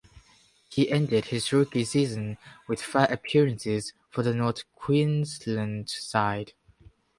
He ended his rookie season with five appearances for the North Queensland side.